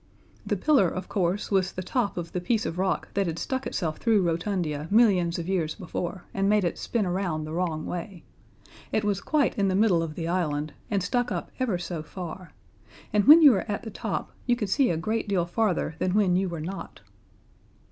The pillar, of course, was the top of the piece of rock that had stuck itself through Rotundia millions of years before, and made it spin around the wrong way. It was quite in the middle of the island, and stuck up ever so far, and when you were at the top you could see a great deal farther than when you were not.